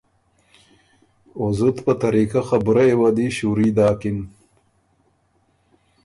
او زُت په طریقۀ خبُرئ یه وه دی شُوري داکِن،